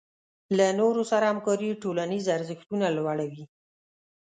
له نورو سره همکاري ټولنیز ارزښتونه لوړوي.